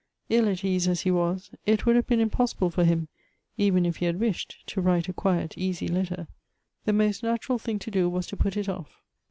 Ill at ease as he was, it would have been impossible for him, even if he had wished, to write a quiet, easy letter. The most natural thing to do, was to put it off.